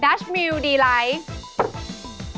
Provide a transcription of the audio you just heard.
ัชมิวดีไลท์